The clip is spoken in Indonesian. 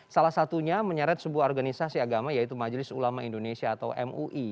salah satunya menyeret sebuah organisasi agama yaitu majelis ulama indonesia atau mui